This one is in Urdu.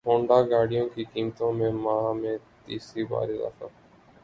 ہونڈا گاڑیوں کی قیمتوں میں ماہ میں تیسری بار اضافہ